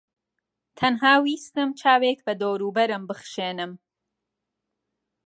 تەنها ویستم چاوێک بە دەوروبەرم بخشێنم.